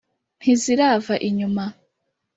ntizirava inyuma